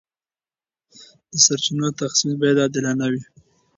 د سرچینو تخصیص باید عادلانه وي.